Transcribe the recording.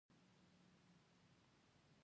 آیا دپروسس لپاره فابریکې جوړې شوي؟